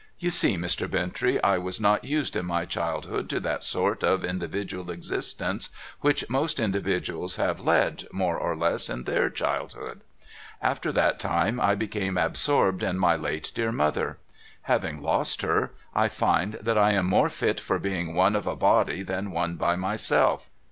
You see, Mr. Bintrey, I was not used in my childhood to that sort of individual existence which most individuals have led, more or less, in their childhood. After that time I became absorbed in my late dear mother. Having lost her, I find that I am more fit for being one of a body than one by myself.